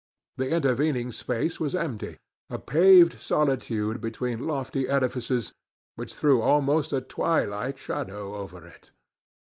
The intervening space was empty—a paved solitude between lofty edifices which threw almost a twilight shadow over it.